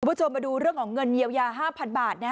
คุณผู้ชมมาดูเรื่องของเงินเยียวยา๕๐๐๐บาท